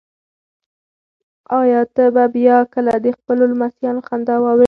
ایا ته به بیا کله د خپلو لمسیانو خندا واورې؟